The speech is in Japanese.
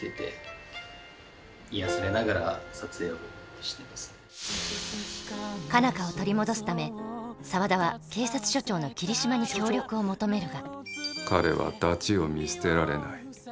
しかし控え室では予想外の展開が佳奈花を取り戻すため沢田は警察署長の桐島に協力を求めるが彼はダチを見捨てられない。